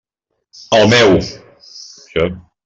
El meu.